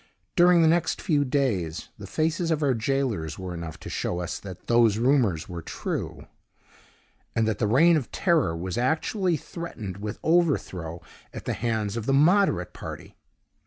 During the next few days the faces of our jailers were enough to show us that those rumors were true, and that the Reign of Terror was actually threatened with overthrow at the hands of the Moderate Party.